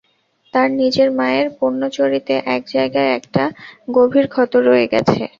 তার নিজের মায়ের পুণ্যচরিতে এক জায়গায় একটা গভীর ক্ষত রয়ে গেছে।